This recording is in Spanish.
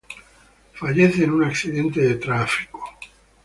Fallece en un accidente de tránsito.